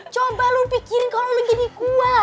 coba lo pikirin kalau lagi dikuah